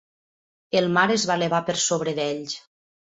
El mar es va elevar per sobre d'ells.